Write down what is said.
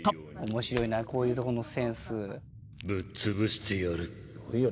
「面白いなこういうとこのセンス」ぶっ潰してやる。